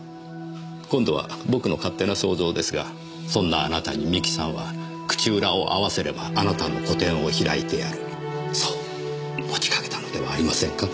今度は僕の勝手な想像ですがそんなあなたに三木さんは口裏を合わせればあなたの個展を開いてやるそう持ちかけたのではありませんか？